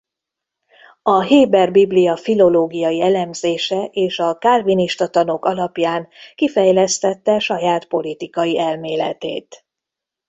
A héber Biblia filológiai elemzése és a kálvinista tanok alapján kifejlesztette saját politikai elméletét.